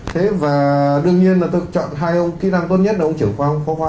thế và đương nhiên là tôi chọn hai ông kỹ năng tốt nhất là ông trưởng khoa không phó khoa